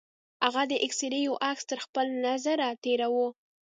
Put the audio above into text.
هغه د اکسرې يو عکس تر خپل نظره تېراوه.